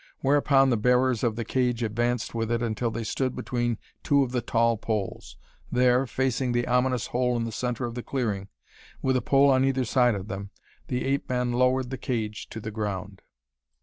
Whereupon the bearers of the cage advanced with it until they stood between two of the tall poles. There, facing the ominous hole in the center of the clearing, with a pole on either side of them, the ape men lowered the cage to the ground.